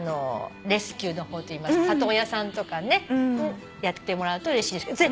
レスキューの方といいますか里親さんとかねやってもらうとうれしいです。